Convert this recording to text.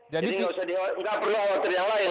jadi nggak perlu khawatir yang lain